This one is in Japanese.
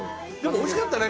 おいしかったです。